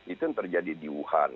itu terjadi di wuhan